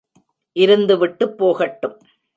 இருந்து விட்டுப் போகட்டும்.